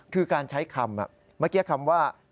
คือการใช้คำเมื่อกี้คำว่า